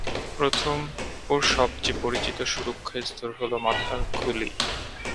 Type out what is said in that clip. প্রথম ও সবচেয়ে পরিচিত সুরক্ষা স্তর হলো মাথার খুলি।